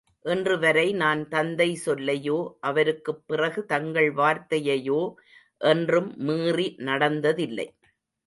இன்று வரை நான் தந்தை சொல்லையோ, அவருக்குப் பிறகு தங்கள் வார்த்தையையோ என்றும் மீறி நடந்ததில்லை.